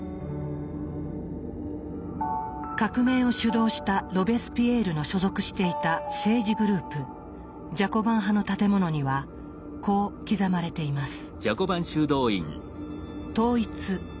革命を主導したロベスピエールの所属していた政治グループジャコバン派の建物にはこう刻まれています。